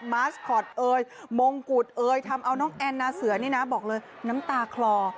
มาสคอตเอ่ยมงกุฎเอ๋ยทำเอาน้องแอนนาเสือนี่นะบอกเลยน้ำตาคลอ